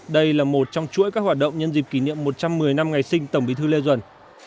đây là một trong chuỗi các hoạt động nhân dịp kỷ niệm một trăm một mươi năm ngày sinh tổng bí thư lê duẩn